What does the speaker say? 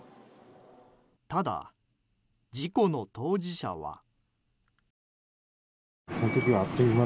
ただ、事故の当事者は。